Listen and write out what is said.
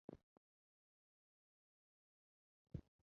在东京都长大。